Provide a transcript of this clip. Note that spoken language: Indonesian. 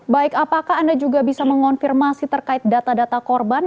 baik apakah anda juga bisa mengonfirmasi terkait data data korban